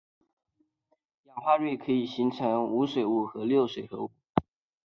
氯化铽可以形成无水物和六水合物。